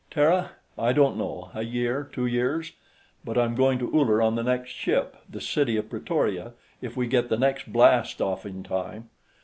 "Terra? I don't know, a year, two years. But I'm going to Uller on the next ship the City of Pretoria if we get the next blast off in time.